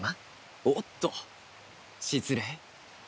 おっと失礼。